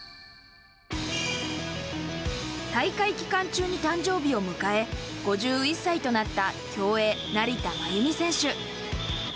大会期間中に誕生日を迎え、５１歳となった競泳、成田真由美選手。